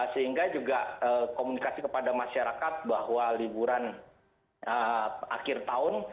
sehingga juga komunikasi kepada masyarakat bahwa liburan akhir tahun